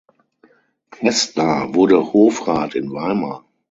Kästner wurde Hofrat in Weimar.